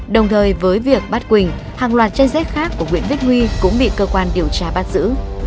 đồng thời với việc bắt quỳnh hàng loạt tranh sách khác của nguyễn vích huy cũng bị cơ quan điều tra bắt giữ